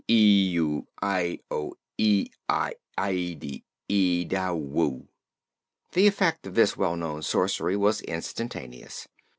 Idu, ido, idi, ide, ida, woo!" The effect of this well known sorcery was instantaneous.